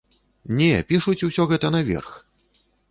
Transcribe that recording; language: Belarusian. Не, пішуць усё гэта наверх!